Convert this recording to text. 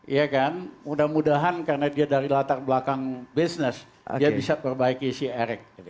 ya kan mudah mudahan karena dia dari latar belakang bisnis dia bisa perbaiki si erik